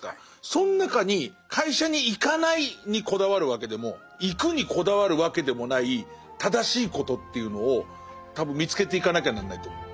そん中に会社に行かないにこだわるわけでも行くにこだわるわけでもない正しいことというのを多分見つけていかなきゃなんないと思う。